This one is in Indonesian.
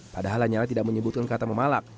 padahal lanyala tidak menyebutkan kata memalak